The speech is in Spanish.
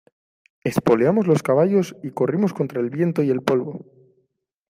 espoleamos los caballos y corrimos contra el viento y el polvo.